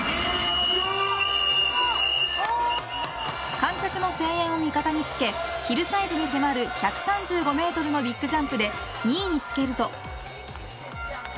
観客の声援を味方につけヒルサイズに迫る１３５メートルのビッグジャンプで２位につけると。